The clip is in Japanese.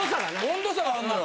温度差があんのよ。